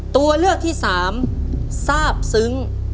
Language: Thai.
ตัวเลือกที่สามทราบซึ้ง